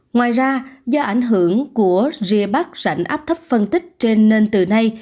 ngoài ra do ảnh hưởng của rìa bắc rảnh áp thấp phân tích trên nền từ nay